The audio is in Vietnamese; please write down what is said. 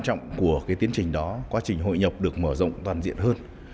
trong cái tiến trình đó quá trình hội nhập được mở rộng toàn diện hơn